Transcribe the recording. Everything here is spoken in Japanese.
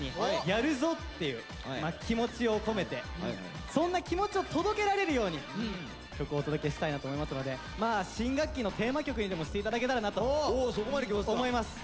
「やるぞ！」っていう気持ちを込めてそんな気持ちを届けられるように曲をお届けしたいなと思いますので新学期のテーマ曲にでもして頂けたらなと思います。